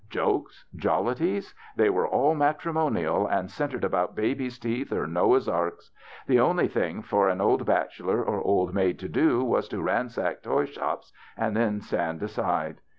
Jokes? Jollities? They were all matrimonial and centred about baby's teeth or Noah's arks. The only thing for an old bachelor or old maid to do was to ransack toy shops and then stand aside.